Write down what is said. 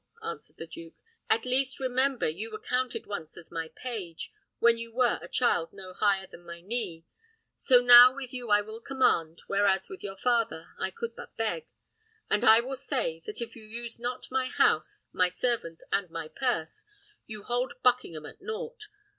answered the duke. "At least remember you were counted once as my page, when you were a child no higher than my knee: so now with you I will command, whereas with your father I could but beg; and I will say, that if you use not my house, my servants, and my purse, you hold Buckingham at nought.